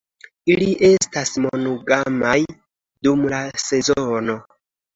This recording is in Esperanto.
Ili estas monogamaj dum la sezono.